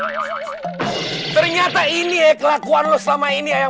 sama siapa hah orang ngomong siapa mata yang gue ternyata ini eh kelakuan lu sama ini yang